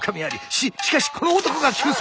ししかしこの男が救世主？